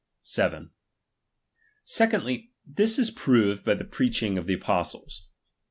7. Secondly, this is proved by the preaching of iw" the apostles.